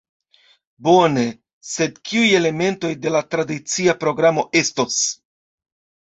Bone, sed kiuj elementoj de la tradicia programo estos?